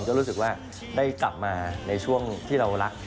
ก็รู้สึกว่าได้กลับมาในช่วงที่เรารัก